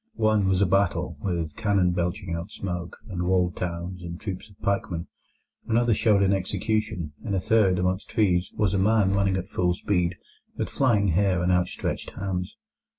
One was a battle, with cannon belching out smoke, and walled towns, and troops of pikemen. Another showed an execution. In a third, among trees, was a man running at full speed, with flying hair and outstretched hands.